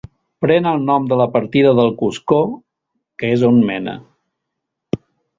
Pren el nom de la partida del Coscó, que és on mena.